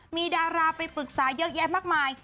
มีดาราไปปรึกษาเยอะแยะมากมาย